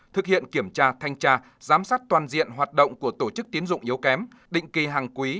thực hiện kiểm tra thanh tra giám sát toàn diện hoạt động của tổ chức tiến dụng yếu kém định kỳ hàng quý